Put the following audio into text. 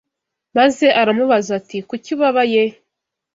maze aramubaza ati kuki ubabaye